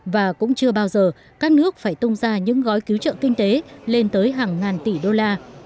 và cũng chưa bao giờ các nước phải tung ra những gói cứu trợ kinh tế lên tới hàng ngàn tỷ đô la